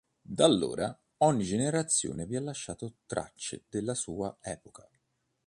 Da allora ogni generazione vi ha lasciato tracce della sua epoca.